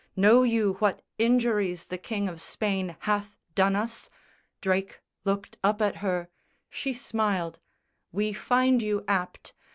Know you what injuries the King of Spain Hath done us?" Drake looked up at her: she smiled, "We find you apt!